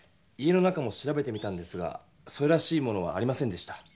家の中も調べてみたんですがそれらしいものはありませんでした。